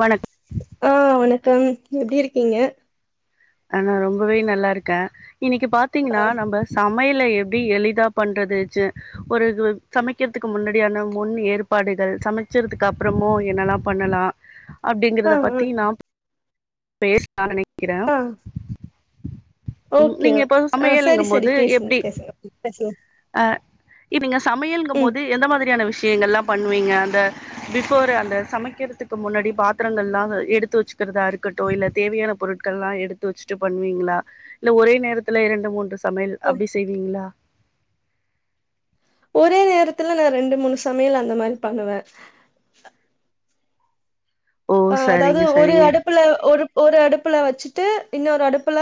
வணக் ஆஹ் வணக் கம் எப்டி இருக்கீங்க அஹ் நா ரொம்பவே நல்லாருக்கே இன்னக்கி ஆ பாத்தீங்னா நம்ப சாம் மையல எப்டி எளிதா பண்றது ச்சு ஒரு து, சமைக்கிற்துக்கு முன்னாடியான முன் ஏற்பாடுகள் சமச்சற்துக்கு அப்றமு என்னல்லா பண்ணலா ஆ அப்டிங்கறத பத்தி ஆ நா பேஸ் நா நெனைக்கிற ஆ ஓகே இப்போ ஆ சேரி சமையல்ங்கும் சேரி போது பேசுங்க பேசுங்க பேசுங்க இப் நீங்க ம் சமையல்ங்கம்போது எந்த மாதிரியான விஷ் நீங்கல்லா பண்ணுவீங்க அந்த பிஃபோர் அந்த சமைக்கறதுக்கு முன்னாடி பாத்ரங்கள்லா அ, எடுத்து வெச்சுக்கறதா இருக்கட்டு இல்ல தேவயான பொருட்கள்லா எடு த்து வச்சுட்டு பண்வீங்ளா இல்ல ஒரே நேரத்துல இரண்டு மூன்று தமிழ் ஆ அப்டி செய்வீங்ளா ஒரே நேரத்துல நா ரெண்டு மூணு சமையல் அந்த மாரி பண்ணுவே ஓ ஆ அதாவ்து சரிங்க ஒரு சரிங்க அடுப்புல ஒரு ஒரு அடுப்புல வச்சுட் டு இன்னோரு அடுப்புல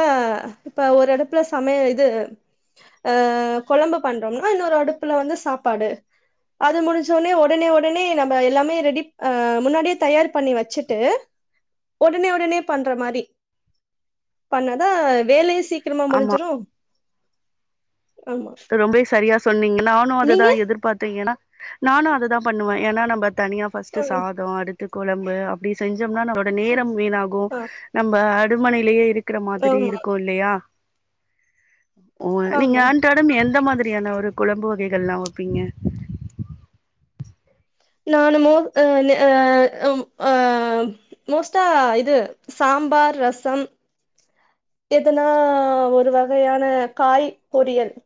இப்ப ஒரு அடுப்புல சமைய இது அ, கொழம்பு பண்றோம்னா இன்னோரு அடுப்புல வந்து சாப்பாடு அது முடிஞ்சொட்னே ஒடனே ஒடனே நம்ம எல்லாமே ரெடிப் அ, முன்னாடியே தயார் பண்ணிருவே ச்சுட்டு ஒடனே ஒடனே பண்ற மாரி பண்ணாதா வேலை சீ க்ரமா ஆமா முடிஞ்சிரு ஆமா ரொம்பவே சரியா சொன்னீங்கள் நானு அத நீங்க தா எதிர்பாத்தே ஏனா நானு அத தா பண்ணுவ ஏன்னா நம்ப தனியா ஃபஸ்ட்டு ம் சாதோ அடு த்து கொழம்பு அப்டி செஞ் சம்னா நம்ளோட நேரம் வீணாகு ஆ நம்ம அடுமனைலயே இரு க்கற மாதிரி ஆமா இருக்கு இல்லையா ஓ நீங்க ஆமா அன் எந்த மாதிரியான ஒரு கொழம்பு வகைகள்ல்லா வெப்பீங்க நானு மோ ஆஹ் ன் ஆஹ் அம் ஆஹ் மோஸ்ட்டா இது சாம்பார் ரசம் எதுனா ஒரு வகையான காய் பொரியல்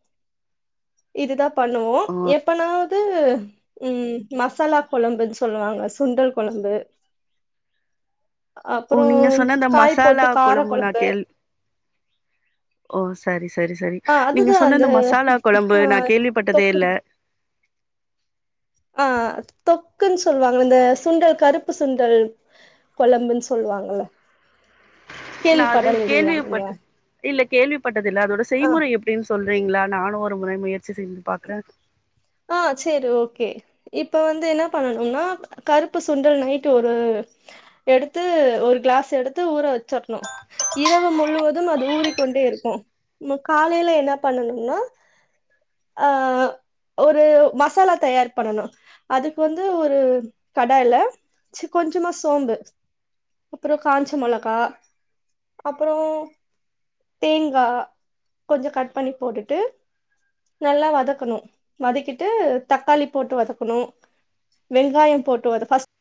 இது தா பண்ணுவோ ஓ எப்பனாவ்து [unintelligible] ம் மசாலா கொழம்புன் சொல்லுவாங்க சுண்டல் கொழம்பு ஓ அப்புறோ நீங்க சொன்ன அந்த காய் போட்டு மசாலா கார கொழம்பு நா கேள் ஓ சரி சரி சரி ஆ நீங்க அதுதா சொன்ன அந்த மசாலா கொழம்பு ஆ நா கேள்விப்பட்டதே தொக்கு இல்ல ஆஹ் தொக்குன்னு சொல்வாங்க இந்த சுண்டல் கருப்பு சுண்டல் கொழம்புன்னு சொல்லுவாங்கல்ல கேள்விப்படலீங்களா நீங்க கேள்விப்பட் தில்ல அதோட ஆ செய்முறை எப்படீன்னு சொல்றீங்களா நானும் ஒரு முறை முயற்ச் ஆஹ் சேரி ஓகே இப்ப வந்து என்ன பண்ணனும்னா கருப்பு சுண்டல் நைட்டு ஒரு எடுத்து ஒரு கிளாஸ் எடுத்து ஊற வச்சிரணும் இரவு முழுவதும் அது ஊறிக் கொண்டே இருக்கும் நம்ம காலையில என்ன பண்ணனும்னா ஆஹ் ஒரு மசாலா தயார் பண்ணணும் அதுக்கு வந்து ஒரு கடாயில ச்சு கொஞ்சமா சோம்பு அப்புறம் காஞ்ச மொளகா அப்புறம் தேங்கா கொஞ்சம் கட் பண்ணி போட்டுட்டு நல்லா வதக்கணும் வதக்கிட்டு தக்காளி போட்டு வதக்கணும் வெங்காயம் போட்டு வதக் ஃபர்ஸ்ட்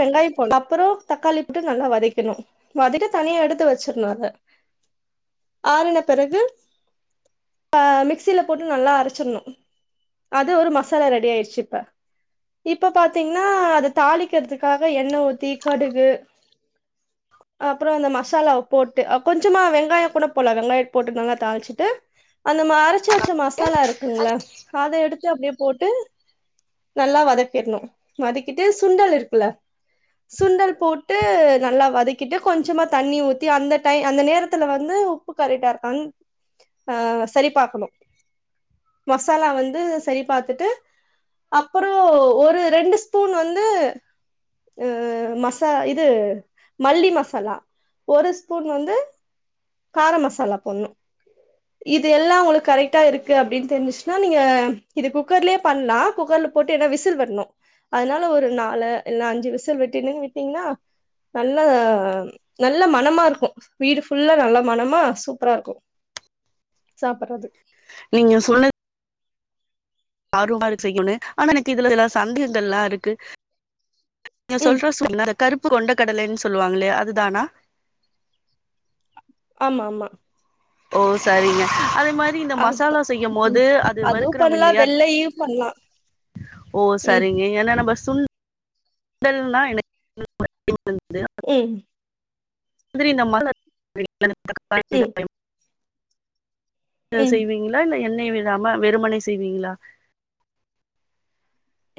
வெங்காயம் போட்ணோ அப்புறம் தக்காளி போட்டு நல்லா வதக்கிக்கணு வதக்கி தனியா எடுத்து வச்சிர்ணும் அத ஆறின பிறகு ஆஹ் மிக்சில போட்டு நல்லா அரைச்சிடணும் அது ஒரு மசாலா ரெடி ஆயிடுச்சுஇப்ப இப்ப பாத்தீங்கன்னா அத தாளிக் வதக்கிறதுக்காக எண்ணெய் ஊத்தி கடுகு அப்புறம் அந்த மசாலாவப் போட்டு கொஞ்சமா வெங்காயம் கூட போலாம் வெங்காயம் போட்டு நல்லாத் தாளிச்சிட்டு அந்த அரைச்ச வச்ச மசாலா இருக்குங்கல்ல அதை எடுத்து அப்படியே போட்டு நல்லா வதக்கிடணும் வதக்கிட்டு சுண்டல் இருக் ம் இல்ல சுண்டல் போட்டு நல்லா வதக்கிட்டு கொஞ்சமா தண்ணி ஊத்தி அந்த டை அந்த நேரத்துல வந்து உப்பு கரெட்டா இருக்கான்னு அஹ் சரிபார்க்கணும் மசாலா வந்து சரி பார்த்துட்டு அப்புறம் ஒரு ரெண்டு ஸ்பூன் வந்து அஹ் மசா இது மல்லி மசாலா ஒரு ஸ்பூன் வந்து கார மசாலா போட்ணும் இது எல்லாம் உங்களுக்கு கரெக்ட்டா இருக்கு அப்டீன்னு தெரிஞ்சுச்சுன்னா நீங்க இது குக்கர்லயே பண்லாம் குக்கர்ல போட்டு என்னா விசில் வரணும் அதனால ஒரு நாலு இல்லன்னா அஞ்சு விசில் விட்டுறன்னு விட்டீங்கன்னா நல்லா நல்ல மணமா இருக்கும் வீடு ஃபுல்லா நல்ல மணமா சூப்பரா இருக்கும் சாப்பிட்றது நீங்க சொன்ன ஆர்வமா இருக்கு செய்யணும்னு ஆனா எனக்கு இதுல இதல்லாம் சந்தேகங்கள் எல்லாம் இருக்கு நீங் ம் சொல்ற [unintelligible] கருப் கொண்டக் கடலேன்னு சொல்லுவாங்கில்லையா அதுதானா ஆமா ஆமா ஓ சரிங்க அதெப் மாதிரி இந்த அதுதா மசாலா செய்யும் போது ம் அது அதுவு வறுக்கிறோம் பண்லா இல்லையா வெள்ளையு பண்லா ஓ ம் சரிங்க ஏன்னா நம்ப சுண் ண்டல்னா எனக்கு [unintelligible] ம் [unintelligible] திரி நம்மா [unintelligible] ம் [unintelligible] ந்த ம் செய்வீங்களா இல்ல என் எண்ணெயே விடாம வெறுமனே செய்வீங்களா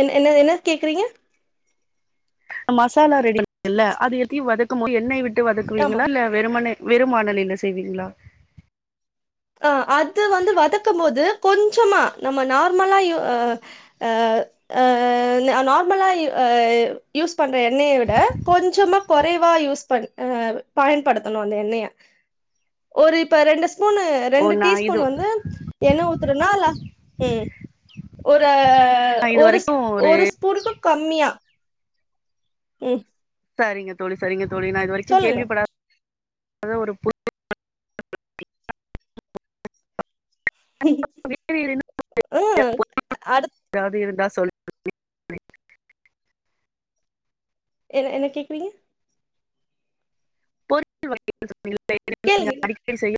என்- என்ன- என்ன கேக்குறீங்க மசாலா ரெடி பண்ணீங்கில்ல அது எப்படி வதக்கும் போது எண்ணெய் விட் து ஆமா வதக்குவீங்களா இல்ல வெறுமனே வெறும் மானலிலே செய்வீங்களா ஆ அது வந்து வதக்கும் போது கொஞ்சமா நம்ம நார்மலா யூ ஆ ஆ நார்மலா ஆ யூஸ் பண் எண்ணெய விட கொஞ்சமா குறைவா யூஸ் பண்ண ஆ பயன்படுத்தணும் அந்த எண்ணெய ஒரு இப்ப ரெண்டு ஸ்பூன்னு ஓ ரெண்டு நா இது டீஸ்பூன் வந்து எண்ணெ ஊத்துரோனா அல உம் ஒரு ஆ நா இது ஒரு ஸ் வரைக்கும் ஒரு ஸ்பூனுக்கு கம்மியா உம் சரிங்க தோழி சரிங்க தோழி நான் இது வரைக்கும் கேள்விப்படா அத ஒரு பு [inaudible] [inaudible] ம் அடுத் எதாது இருந்தா சொல் எ என்ன கேக்குறீங்க பொருள் [inaudible] கேளுங்க [inaudible] அடிக்கடி செய்ய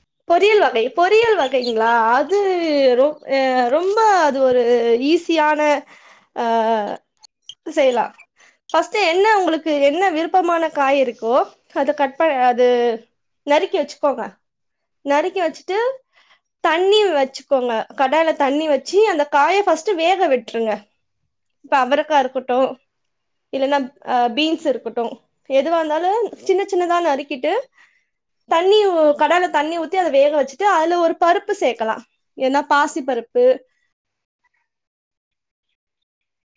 [inaudible] பொரியல் வகை பொரியல் வகைங்க்ளா அது ரொ ஆ ரொம்ப அது ஒரு ஈஸியான ஆ செய்லா ஃபஸ்ட் என்ன உங்களுக்கு என்ன விருப்பமான காய் இருக்கோ அத கட் பண் அது நறுக்கி வெச்சுக்கோங்க நறுக்கி வச்சுட்டு தண்ணி வச்சுக்கோங்க கடாயில தண்ணி வச்சு அந்த காய ஃபஸ்ட்டு வேக விட்ருங்க இப்ப அவரக்கா இருக்கட்டு இல்லன்னா ஆ பீன்ஸ் இருக்கட்டு எதுவா இருந்தாலு சின்ன சின்னதா நறுக்கிட்டு தண்ணி ஊ கடால தண்ணி ஊத்தி அத வேக வச்சுட்டு அதுல ஒரு பருப்பு சேக்கலா வேன்னா பாசிப்பருப்பு